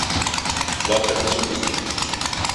Flotte zugewiesen.